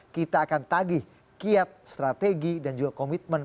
kita akan tagih kiat strategi dan juga komitmen